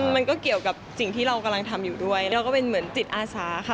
มันก็เกี่ยวกับสิ่งที่เรากำลังทำอยู่ด้วยแล้วก็เป็นเหมือนจิตอาสาค่ะ